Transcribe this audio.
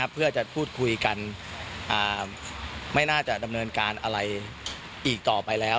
เพื่อจะพูดคุยกันไม่น่าจะดำเนินการอะไรอีกต่อไปแล้ว